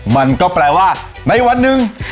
มันก็แปลว่าในวันหนึ่ง